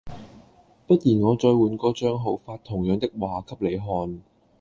不然我再換個帳號發同樣的話給你看